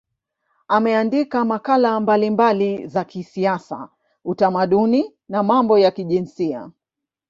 Ameandika makala mbalimbali za kisiasa, utamaduni na mambo ya kijinsia.